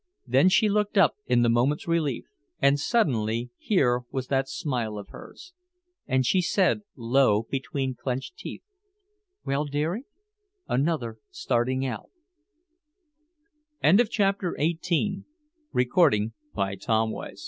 Then she looked up in the moment's relief. And suddenly here was that smile of hers. And she said low, between clenched teeth, "Well, dearie, another starting out " CHAPTER XIX The next morning, after the rush